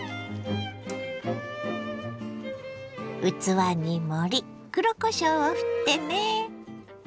器に盛り黒こしょうをふってね。